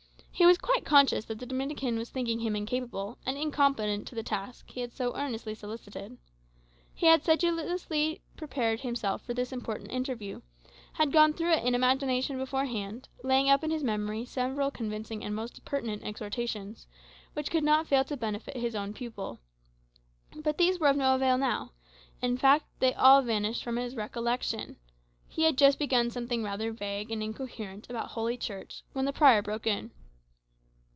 He was quite conscious that the Dominican was thinking him incapable, and incompetent to the task he had so earnestly solicited. He had sedulously prepared himself for this important interview, had gone through it in imagination beforehand, laying up in his memory several convincing and most pertinent exhortations, which could not fail to benefit his old pupil. But these were of no avail now; in fact, they all vanished from his recollection. He had just begun something rather vague and incoherent about Holy Church, when the prior broke in.